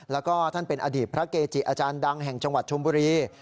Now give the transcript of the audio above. แล้วก็ท่านเป็นอดีตพระเกจิอาจารย์ดังแห่งจังหวัดชมบุรี